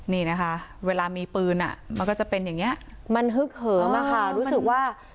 นี่นะคะเวลามีปืนมันก็จะเป็นอย่างนี้มันฮึกเหิมอะค่ะรู้สึกว่า